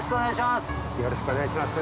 よろしくお願いします。